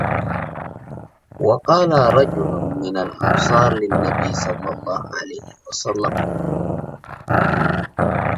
وَقَالَ رَجُلٌ مِنْ الْأَنْصَارِ لِلنَّبِيِّ صَلَّى اللَّهُ عَلَيْهِ وَسَلَّمَ